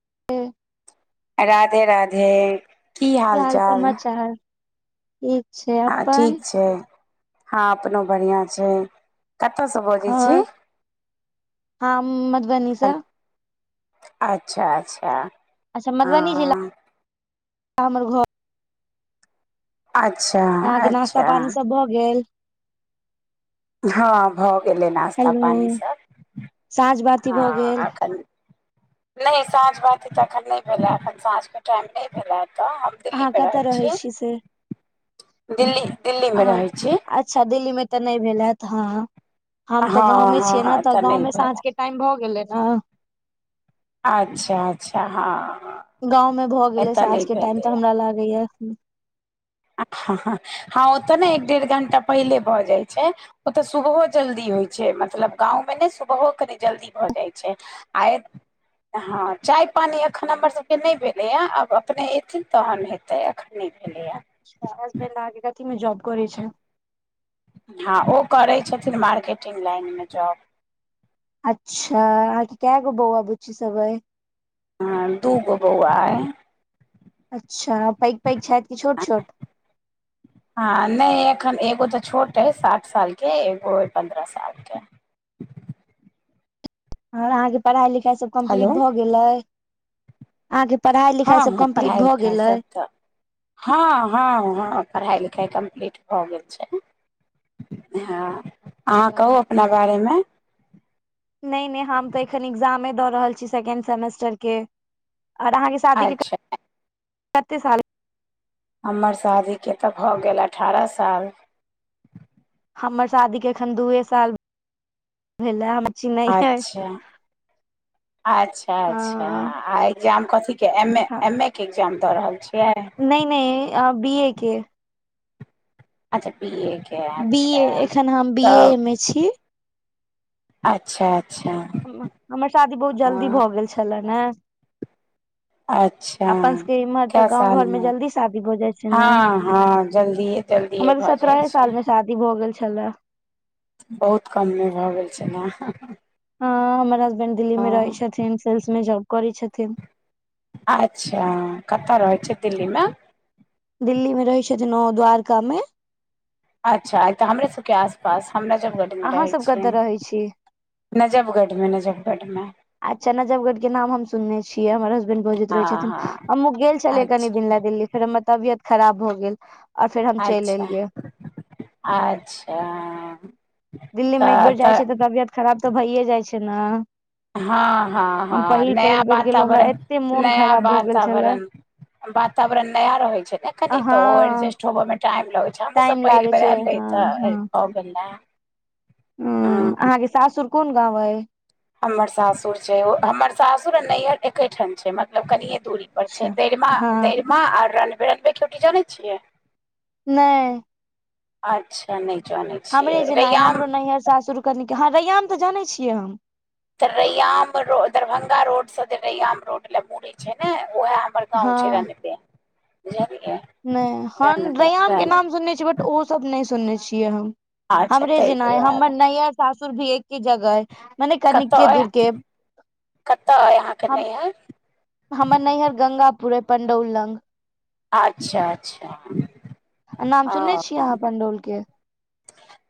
[inaudible] राधे राधे की हाल चाल ठीक छै हँ अपन ठीक छै हँ अपनो बढ़िआँ छै कतऽसँ बजै छी और हम मधुबनी से अच्छा अच्छा। अच्छा मधुबनी जिला हँ [inaudible] हमर घर अच्छा। अहाँके नास्ता अच्छा पानी सब भऽ गेल हँ भऽ गेलै नश्ता हेलो पानिसभ साँझ बाती हँ भऽ गेल अखन। नहि साँझ बाती तऽ अखन नहि भेलै अखन साँझके टाइम नहि भेलै एतऽ दिल्ली अहाँ मे कतऽ रहै छी से दिल्ली -दिल्ली मे अहाँ रहै छी। अच्छा दिल्ली में तऽ नहि भेल हैत हँ हम तऽ गाँंव हँ में छियै हँ ने तऽ एतय गाँंव नहि में साँझ भेल के टाइम भऽ गेलै ने। अच्छा अच्छा हँ। गाँंव में भऽ गेलै एतय साँझ नहि के टाइम भेलैए तऽ हमरा लागैया। हँ ओतऽ ने एक डेढ़ घंटा पहिले भऽ जाइ छै। ओतऽ सुबहो जल्दी होइ छै मतलब गाँवमे नहि सुबहो कनि जल्दी भऽ जाइ छै। आ। [unintelligible] हँ चाय पानि एखन हमर सभके नहि भेलैए आब अपने एथिन तहन हेतै एखन। नहि भेलैए। हसबैंड अहांके कथिमे जॉब करै छैथ। हँ ओ करै छथिन मार्केटिंग लाइनमे जॉब। अच्छा, अहांके कय गो बौआ बुच्ची सब अछि। आ दूगो बौआ अइ अच्छा पैघ पैघ छथि कि छोट छोट हँ नहि एखन एगो तऽ छोट अछि सात साल के एगो अछि पन्द्रह साल के। और अहाँके पढ़ाई लिखाई सब कम्प्लीट हेलो भऽ गेल अछि, अहाँके पढ़ाइ लिखाई हँ सब हँ कम्प्लीट पढ़ाइ भऽ लिखाइ गेल सब अछि। तऽ हँ हँ हँ पढ़ाई लिखाई कम्प्लीट भऽ गेल छै। हँ अहाँ कहू अच्छा अपना बारेमे। नै नै हम तऽ एखन एग्जामे दऽ रहल छी सेकेंड सेमेस्टर के, आर अहाँके शादी के अच्छा कते साल भेले हमर शादीके तऽ भऽ गेल अठारह साल। हमर शादीे के एखन दूए साल भेलै, हमर चिन्नै है। अच्छा अच्छा अच्छा आ एग्जाम कथीके, एम ए एम ए के एग्जाम दऽ रहल छियै। नै नै बी ए के। अच्छा बीए के बी अच्छा ए एखन हम बी ए तब मे छी अच्छा अच्छा। हमर शादी बहुत जल्दी हँ भऽ गेल छले ने। [inaudible] अच्छा अपन सबके इम्हर तऽ कए गाँंव घर मे सालमे, जल्दी शादी भऽ जाइ छै ने हँ हँ जल्दिये। जल्दिए हमर तऽ भऽ जाइ सत्रहे साल छै। मे शादी भऽ गेल छलै। बहुत कम मे भऽ गेल छले। ह हमर हसबैंड दिल्ली मे रहै छथिन, सेल्स में जॉब करै छथिन। अच्छा कतऽ रहै छै दिल्लीमे। दिल्ली मे रहै छथिन ओ द्वारका मे। अच्छा तऽ हमरे सभके आसपास, हमरो सभ दिल्ली मे अहाँ रहै सब कतऽ छियैन। रहै छी नजबगढ़मे नजबगढ़मे। अच्छा नजबगढ़ के नाम हम सुनने छियै हमर हसबेंड बजैत ह रहै छथिन। ह हम गेल छलियै कनी अच्छा दिन ले दिल्ली फेर हमर तबियत खराब भ गेल और फेर हम चलि अच्छा एलियै। अच्छा। दिल्ली मे एक बेर जाइ छै तऽ तबियत खराब तऽ भइए जाइ छै ने। हँ हँ हम हँ पहिल नया पहिल बेर गेलहुँ हमरा वातावरण एते मोन नया खराब भऽ गेल छले वातावरण। वातावरण नया रहे छै ने कनी तो हँ ओ एडजस्ट होबे मे टाइम लगै छै। अच्छा हमहु टाइम सब पहिल लागे बेर छै आयल रहि हँ तऽ भ गेल रहै। हुं अहाँके सासुर कोन गाँंव अछि। हमर सासुर छै हमर सासुर आ नैहर एकेठाम छै मतलब कनिये दूरी पर अच्छा छैय रैयाम हँ आ रनबे, रनबे केओटी जानै छियै? नै। अच्छा नहि जानै हमरे छियै जेना अइ रैयाम हमरो नैहर सासुर कनिके हं रैयाम तऽ जानै छियै हम। त रैयाम रोड दरभंगा रोड से जे रैयाम रोड ले मुड़े छै ने वैह बड़ गाँव हँ छै रनवे बुझलियै। नहि हम रनबे रैयाम के रनबे नाम सुनने छियै बट ओसभ नहि सुनने छियै हम अच्छा हमरे ताहि जेना ऐ हमर दुआरे नैहर सासुर भी एक ही जगह ऐ। मने कतऽ कनिके अइ दूर के कतऽ अइ अहाँके हम नैहर हमर नैहर गंगापुर अय पंडौल लंग। अच्छा अच्छा। आ नाम सुनने छीयै अहाँ पंडौल के?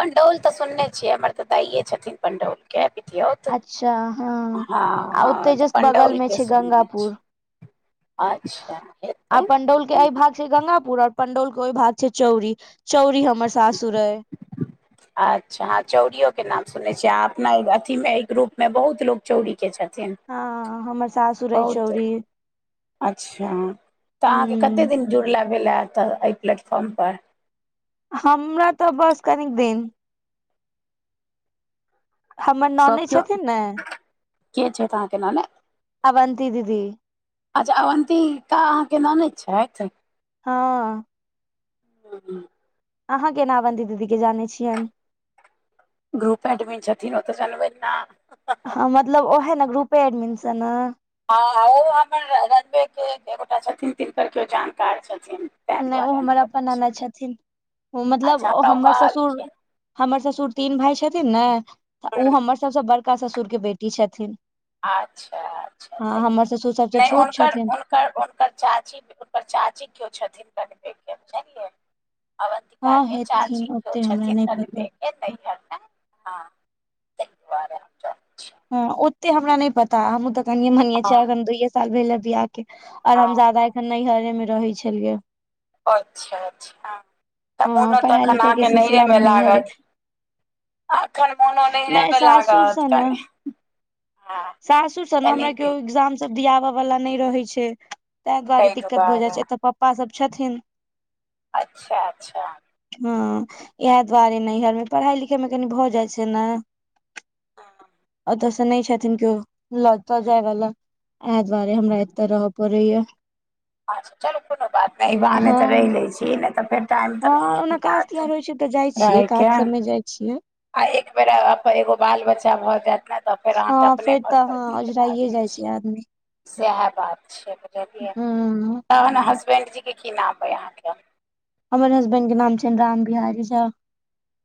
पण्डौल तऽ सुनने छियै हमर तऽ दाइये छथिन पण्डौल के पितिऔत अच्छा हँ हँ आ हँ ओते तऽ जस्ट बगल में पण्डौलके छै सुनने छी। गंगापुर अच्छा हेतै, आ पंडौल के हूं। एहि भाग गंगापुर और पंडौल के ओइ भाग छै चौरी चौरी हमर सासुर अय। अच्छा हां चौरियो के नाम सुनने छियै आ अपना ई अथीमे ई ग्रुप में बहुत लोक चौरीके छथिन। हँ हमर सासुर अइ बहुते, चौरी अच्छा तऽ अहाँके कते हूँ दिन? जुड़ला भेलै एतऽ एहि प्लेटफॉर्मपर। हम्मरा तऽ बस कनिक दिन। हमर सभ ननैद केओ छथिन ने के छैथ अहाँके ननैद? अवन्ती दीदी अच्छा अवन्तिका अहाँके ननैद छथि। हँ [unintelligible] अहाँ केना अवंति दीदी के जानै छियैन? ग्रुप एडमिन छथिन ओतऽ जनबैन न। हं मतलब ओहे न ग्रुपे एडमिन स न। हं ओ हमर रनबे के एक गोटा छथिन तिनकर केओ जानकार छथिन। ताहि नहि ओ दुआरे हम हमर अपन करैत छी। ननैद छथिन ओ मतलब अच्छा हमरा ओ हमर ससुर कहलखिन हमर ससुर तीन भाय छथिन ने ओ हमर सबसँ बड़का ससुरके बेटी छथिन। अच्छा अच्छा हँ त हमर ससुर सबसँ नहि छोट उनकर छथिन उन उनकर चाची हुनकर चाची केओ छथिन रनवे के बुझलियै अवन्तिका हँ के हेथिन चाची केओ ओते हमरा छथिन नहि पता रनवे के [unintelligible] तै दुआरें हम जनै हं ओते हमरा नहि पता हमहूं त कनिये मनिये हँ छियै अखन दूइये साल भेले बियाह के। के आओर हम हँ जादा एखन नैहरे मे रहै छलियै। अच्छा अच्छा तऽ हँ मोनो त पढ़ाई अखन लिखाई के अहाँके सिलसिला मे नहियरमे नैहरे लागत। अखन मोनो नहियरे नहि मे सासुर सँ लागत ने कनि हँ सासुर स ने कनि हमरा केओ दिन एग्जाम सब दियाबय वाला नहि रहै छै तैं दुआरे दिक्कत भऽ जाइ छै एतऽ पप्पा सब छथिन अच्छा अच्छा। हँ इएह दुआरे नहियरमे पढ़ाइ लिखाइमे कनि भऽ जाइ छै ने। ह ओतऽ से नहि छथिन केओ लऽ तऽ जाय वला एह दुआरे हमरा एत्त रह पड़ैयै। अचछा चलू कोनो बात नहि अही बहाने हँ तऽ रहि लै छी नहि तऽ फेर टाइम तऽ हँ नहिए ओना काज मिलत तिहार होइ छै तऽ जाइ छियै काज रहैके। सबमे जाइ छियै। आ एक बेर अब अब एगो बाल बच्चा भ जैत हँ फेर तऽ हँ ओझराइए जाइ छै आदमी। सएह बात छैय बुझलियै हूँ तहन हसबेंडजीके की नाम अइ अहाँके? हमर हसबैंड के नाम छनि राम बिहारी झा।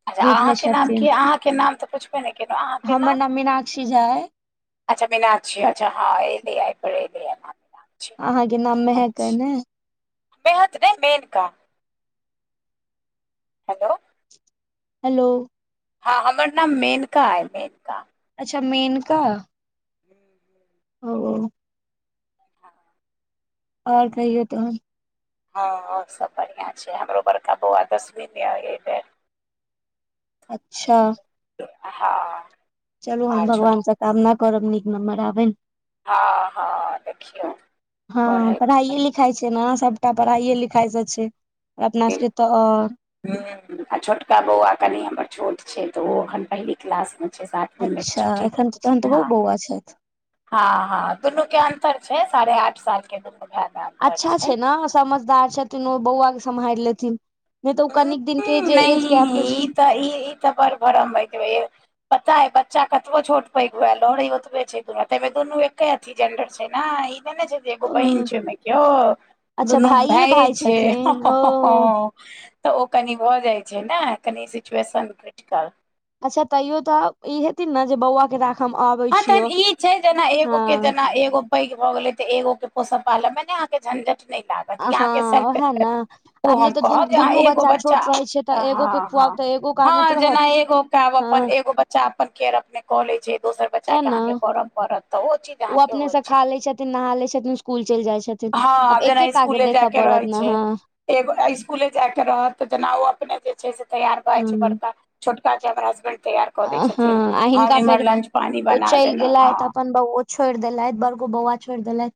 अच्छा ग्रुप मे अहाँके नाम की छथिन अइ अहाँके नाम तऽ पुछबे नहि केलहुँ अहाँके हमर नाम? मीनाक्षी झा अइ अच्छ केना छियै अच्छा हँ एलियैै [unintelligible] आहाँ के नाम मेंहक अइ ने। मेहत नै मेनका। हेलो हेलो हँ हमर नाम मेनका है मेननका। अच्छा मेनका। हूँ। ओ ओर कहियौ तहन हँ और सब बढ़िआँ छै हमरो बड़का बौआ दसवी मे अइले। अच्छा हँ। चलू हम आर छोट भगवानसँ कामना करब नीक नम्बर आबैन। हँ हँ देखियौ हँ पढ़ैत पढ़ाइए -लिखाइ छै ने सब सबटा पढ़ाइए लिखाई से छैर अपना सबके तऽ हूँ आ छोटका बौआ कनि हमर छोट छै तऽ ओ अखन पहली क्लास मे छै सा अच्छा एखन तऽ तहन तऽ बहु बौआ छैथ। हँ हँ कोनो केन पर छै साड़े आठ साल केने [unintelligible] अच्छा छै ने समझदार छथिन ओ बौआके सम्हैर लेथिन। नहि तऽ ओ हम्म, कनेक दिन के जे नहि एज गेप होइ छै। ई तऽ ई ई तऽ बड़ भरम [unintelligible] पता या बच्चा कतबो छोट पैघ हुए लड़ै ओतबे छै दुनू तेै मे दुनू एके [unintelligible] इ तऽ नै छै एगो बहिन ओ छै ओय मे कियो अच्छा दुनू भाइये भाय छै छथिन ओ हँ-हँ-हँ तऽ ओ कनि भऽ जाइ छै ने कनि सिचुएशन क्रिटिकल। अच्छा तैयो तऽ ई हेथिन ने जे बौआ के राख हम आबै हँ तहन छियौ ई छै जेना एगो के हँ जेना एगो पैग भऽ गेले ते एगो के पोषब पालल मे आहाँ के झंझट नेै हँ लाग ओएह ने [unintelligible] ओ आब नहि हम तऽ दू कहब दुनू जे एगो बच्चा छोट रहै छै तऽ एगो के हँ हँ खुआउ तऽ एगो के आनैत हँ रहत जेना एगो के अपन हँ एगो बच्चा अपन केयर कऽ लै छै। दोसर बच्चा तें के ने अहाँके करऽ पड़त तऽ ओ चीज ओ अहाँके अपने होइ से छै खा लै छथिन, नहा लै छथिन, स्कुल चलि जाइ छथिन। आब एकेटा के देखऽ पड़त ने हँ। एग इसकुले जायके रहल तऽ जेना ओ अपने जे छै से तैयार भऽ जाय छै बड़का। छोटका के हमर होसबैंड अं हँ आ हिनका फेर पानी ओ बना चैल देलहुँ गेलाइथ हँ अपन बौओ छोइड़ देलैथ बड़को बौआ छोइड़ देलैथ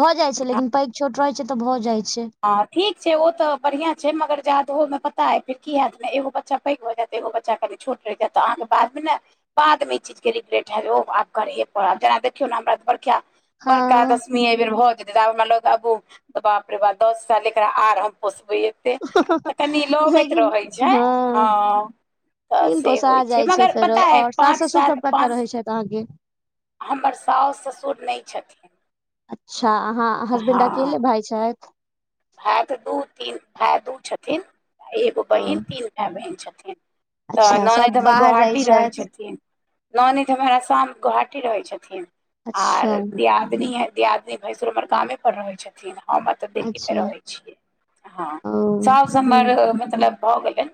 भऽ जाइ छै लेकिन पैघ छोट रहे छै तऽ भऽ जाइ छै। हँ ठीक छै ओ तऽ बढ़ियां छै मगर जादहो मे पता या फेर की हेएत ने एगो बच्चा पैघ भऽ जेएत एगो बच्चा कनि छोट रैहजेत तऽ अहाँके बादमे ने बादमे ई चीज के रिग्रेट है आब जेना देखियौ ने हमरा बड़खा बड़का हँ दशमी एहि बेर भऽ जेतै तऽब हमरा लोग आबू तऽ बाप रे बाप दस साल एकरा आर हम पोसबेै तऽ कनि लबैत रहै छैय हँ। तऽ लेकिन से पोसा होय छै, जाइ मगर पता ऐ, पाँच, सात, पाँच आहाँ के हमर सौस ससुर नैय छथिन। अच्छा! आहाँ हसबैंड अकेले भाय छैथ? भाइ दू तीन भााय दू छथिन, एगो ओ बहिन तीन भाए बहिन छथिन। तऽ अच्छा ननैद सब हमर बाहर गोहाटी रहै छथि छथिन। ननैद हमर आशाम गोहाटी रहै छथिन, और अच्छा दियादिनी है दियाद भैंसुर हमर गामे पर रहै छथिन। हम एऽ दिल्ली अच्छा रहै छियै, हँ। ओ सौस हूँ हमर मतलब भऽ गेलै,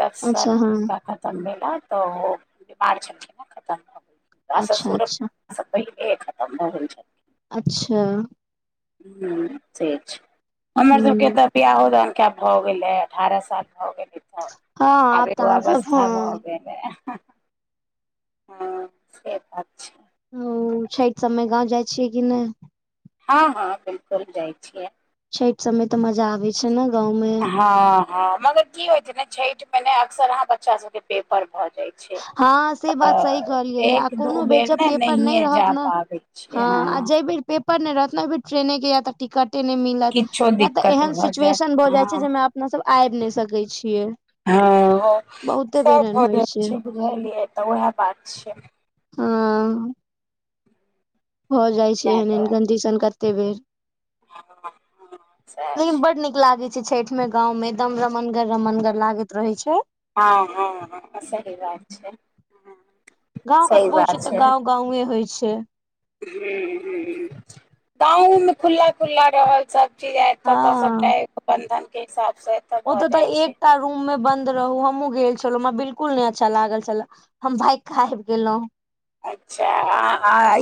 दस साल अच्छा हँ हुनका खत्म भेला। तऽ ओ बीमार छेलखिन ने, खत्म भऽ गेलखिन। आ अच्छा ससुर अच्छा स पहिलेहे खत्म भ गेल छैत। अच्छा! हँ, से हमर सब के हूँ तऽ बियाहो दान के भऽ गेलै, अठारह साल भऽ गेलै। हँ आब तऽ एगो अहाँ सब अवस्था हँ भगेल। हँ, से बात छैय। ओ, छैठ सब मे गाँव जाय छियै कि नैय? हँ, हँ, 'बिल्कुल' जाय छियै। छैठ सब मे तऽ मजा आबै छैय। छैन, गाँव मे। ह, ह, मगर की होय छैय न, छैठ मे न अक्सर आहाँ बच्चा सब के पेपर भऽ जाय छै। हँ, से बात सही तऽ कहलियै आ, एक दू कोनो बेर जब ने पेपर नैय नहिए रहत जा न। पाबै हँ, छियै आ जयबेर पेपर नैय रहत न, ओय बेर, ट्रेने के या तऽ टिकट नैय मिलत, किछो या तऽ दिक्कत एहन भऽ जायत सिचुएशन भऽ जाय छैय, हँ जेहिमे अपना सब अैब नैय सकै छियै। हँ, बहुते सेह बेर एहन भ होइ जय छै बुझलियै। तऽ उएह बात छै। हूँ। हो जाय छै, तैं एहन- एहन दुआरे कन्डीशन कते बेर। हँ हँ सएह लेकिन छै बड नीक लागैत छैठ में गाँंव मे, एकदम रमनगर -रमनगर लागैत रहेै छैय। हँ -हँ -हँ, सही बात छैय, हँ। गांँव कतबो छै, तऽ गाँंव -गांँवे होय छैय। हूँ- हूँ, गाँव मे खुल्ला- खु्ल्ल रहल सब। चीज आय, एत त हँ सबटा ए बंधन के हिसाब से। एतऽ ओ भऽ तऽ जाइ तऽ छै एकटा रूम में बंन्द रहु, हमहुँ गेल छेलौं, हमरा बिल्कुल नैय अच्छा लागल छल, हम भैग क अैब गेलौ। अच्छा!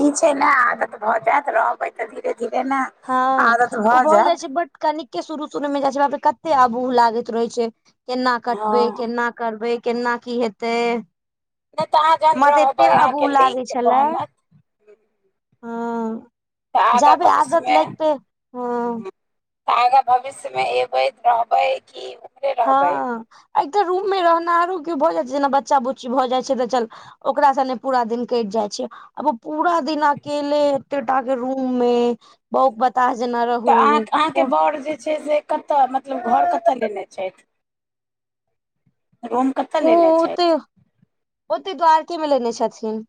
ई छै ने आदत भऽ जेतऽ, रहबै तऽ धीरे -धीरे ने। हँ, आदत ओ भऽ जाय जायत छै। बट कनिके के शुरू- शुरू मे जाय छै बाप रे, कते अबुह लागैत रहेै छै, केना हँ कटबे, केना करबै, केना की हेतै। नहि तऽ अहाँ जहन हमरा तऽ एते रहबै अबुह अहाँके लागै लिंक छेला। बनत हँ। आगाँ भव के सुय लैगते, हँ। तऽ आगाँ भविष्य मे अबैत रहबै की? हँ एक तऽ रूममे रहनाहरो क्यो भऽ जाय छैय ने जेना बच्चा बुच्ची भऽ जाय छैय तऽ चल ओका सने पूरा दिन कैटि जाय छैय। अब पूरा दिन अकेले एते टा के रूम मे बहु ब ताज नऽ रो तऽ अहाँक -अहाँके बड़ जे छैय से कतऽ मतलब घर कतऽ लेने छैथ। [unintelligible] ओ ओते छथि -ओते द्वारकेमे लेने छथिन।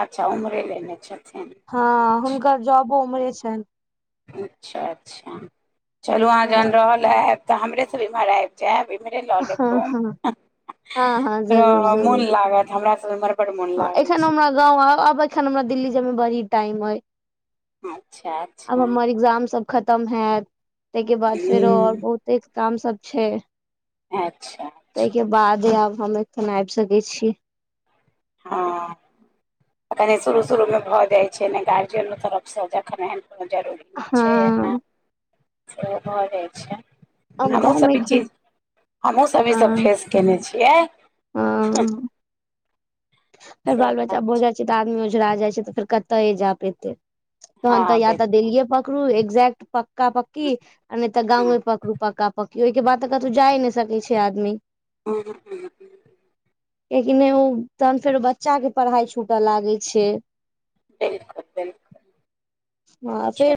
अच्छा उम्हरे लैने छथिन। हाँ हुनकर जॉबो उम्हरे छन। अच्छा-अच्छा चलू अहाँ हँ जहन रहल आयब तऽ हमरेसँ इम्हर आयब। जायब इमहरे लऽ लेब हँ रूम, हँ हँ हँ हाँ मन लागत हमरा सब इमहर हाँ एखन हमरा गाँव आ आब एखन हमरा दिल्ली जायमे बड़ी टाइम अए। अच्छा अच्छा आब हमर एग्जाम सब खतम हायत तेयके बाद फेरो और ह बहुत एतेक काम सब छैय। अच्छा। तेय अच्छा के बादे आब हम एखन आइब सकै छी। हाँ। अरे शुरू -शुरूमे भऽ जाइ छैय ने गार्जियनो तरफसँ देखनाय एहन कोनो जरूरी छैय ना हँ सेहो भऽ जाइ छैय। आब गाँवमे हमहूँसब ई एखन चीज हमहूँसब ईसब हँ फेस केयने छियै। हँ फेर से बाल- बच्चा बात भऽ छै जाइ छैय तऽ आदमी ओझरा जाइ छैय तऽ फेर कतेय जा पेते। तहन तऽ हँ या तऽ बिलकुल देल्लीए पकरू एक्ज्ट पक पक्का- पक्की ने तऽ ह गांव मे पकड़ू पका -पक्की ओहिके बाद तऽ कथू जाइ ने सकै छैय आदमी। उहुं। ए की नै उ तहन फेरो बच्चा के पढ़ाय छूटा लागे छैय। बिलकुल, बिल हाँ से